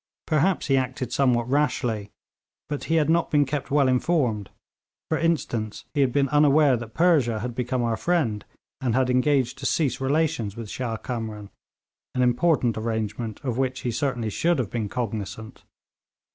Perhaps he acted somewhat rashly, but he had not been kept well informed; for instance, he had been unaware that Persia had become our friend, and had engaged to cease relations with Shah Kamran an important arrangement of which he certainly should have been cognisant.